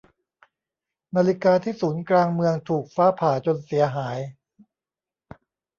นาฬิกาที่ศูนย์กลางเมืองถูกฟ้าผ่าจนเสียหาย